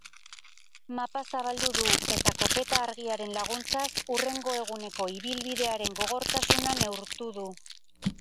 Mapa zabaldu du, eta kopeta-argiaren laguntzaz hurrengo eguneko ibilbidearen gogortasuna neurtu du.